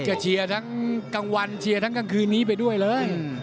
เชียร์ทั้งกลางวันเชียร์ทั้งกลางคืนนี้ไปด้วยเลย